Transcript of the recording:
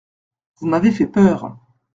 Vous m’avez fait peur.